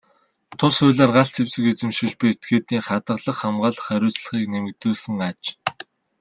Тус хуулиар галт зэвсэг эзэмшиж буй этгээдийн хадгалах, хамгаалах хариуцлагыг нэмэгдүүлсэн аж.